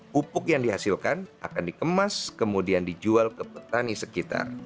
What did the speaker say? pupuk yang dihasilkan akan dikemas kemudian dijual ke petani sekitar